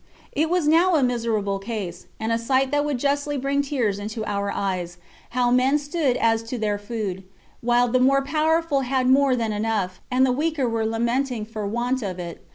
It was now a miserable case, and a sight that would justly bring tears into our eyes, how men stood as to their food, while the more powerful had more than enough, and the weaker were lamenting [for want of it.